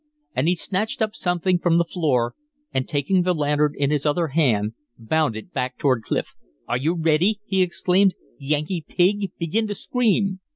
And he snatched up something from the floor and taking the lantern in his other hand bounded back toward Clif. "Are you ready?" he exclaimed. "Yankee pig, begin to scream!"